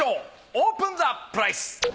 オープンザプライス。